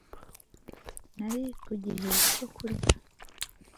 Nari ku gihe cyo kurya